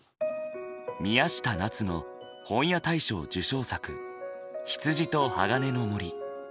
宮下奈都の本屋大賞受賞作「羊と鋼の森」。